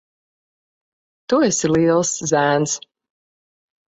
Tu esi liels zēns.